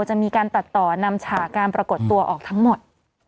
จะมีการตัดต่อนำฉากการปรากฏตัวออกทั้งหมด